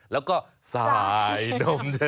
แล้วก็สายนมเยอะ